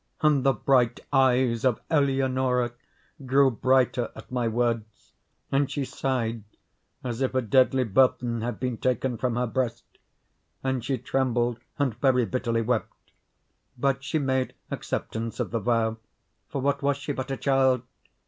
And the bright eyes of Eleonora grew brighter at my words; and she sighed as if a deadly burthen had been taken from her breast; and she trembled and very bitterly wept; but she made acceptance of the vow, (for what was she but a child?)